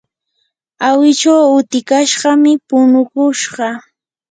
awichu utikashqami punukushqa.